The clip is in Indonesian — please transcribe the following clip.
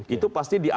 itu pasti diapakan